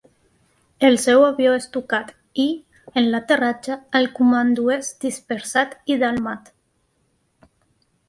El seu avió és tocat, i, en l'aterratge, el comando és dispersat i delmat.